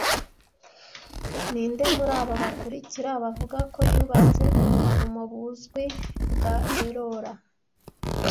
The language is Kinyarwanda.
'Ninde muri aba bakurikira bavuga ko yubatse ubuvumo buzwi bwa Ellora